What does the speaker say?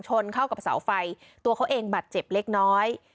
ชนเข้ากับเสาไฟตัวเขาเองบาดเจ็บเล็กน้อย